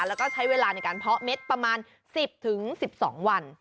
แล้วก็ใช้เวลาในการเพาะเม็ดประมาณ๑๐๑๒วัน